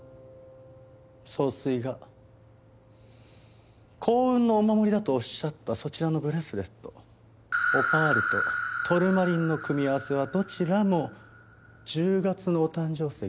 総帥が幸運のお守りだとおっしゃったそちらのブレスレットオパールとトルマリンの組み合わせはどちらも１０月のお誕生石。